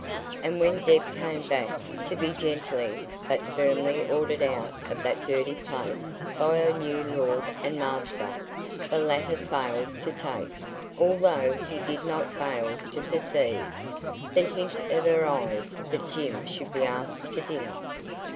And when Deb came back, to be gently but firmly ordered out of that dirty place by her new lord and master, the latter failed to take, although he did not fail to perceive, the hint of her eyes that Jim should be asked to dinner.